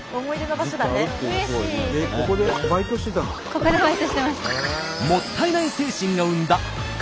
ここでバイトしてました。